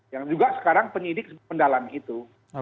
yang juga sekarang penyidik mendalami itu